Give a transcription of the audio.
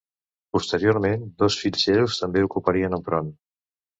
Posteriorment dos fills seus també ocuparien el tron.